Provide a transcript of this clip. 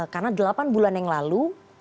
karena delapan bulan yang lalu